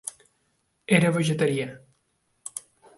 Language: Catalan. Era vegetarià.